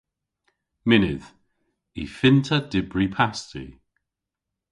Mynnydh. Y fynn'ta dybri pasti.